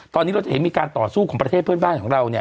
ตอนนี้เราจะเห็นมีการต่อสู้ของประเทศเพื่อนบ้านของเราเนี่ย